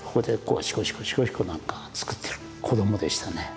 シコシコ何か作ってる子どもでしたね。